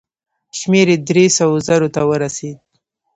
شمېر یې دریو سوو زرو ته ورسېد.